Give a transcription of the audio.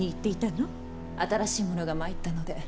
新しい者が参ったので。